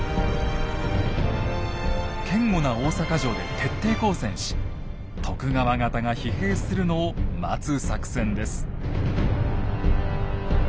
堅固な大坂城で徹底抗戦し徳川方が疲弊するのを待つ作戦です。